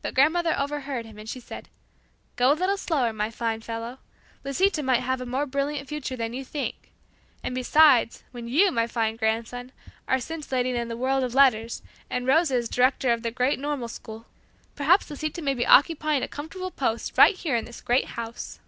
But grandmother overheard him and she said, "Go a little slower, my fine fellow. Lisita might have a more brilliant future than you think. And besides, when you, my fine grandson, are scintillating in the world of letters and Rosa is director of the great normal school, perhaps Lisita may be occupying a comfortable post right here in this great house."